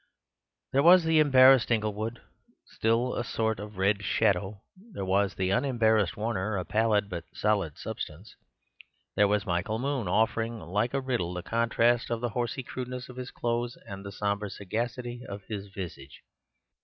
There was the embarrassed Inglewood, still a sort of red shadow; there was the unembarrassed Warner, a pallid but solid substance. There was Michael Moon offering like a riddle the contrast of the horsy crudeness of his clothes and the sombre sagacity of his visage.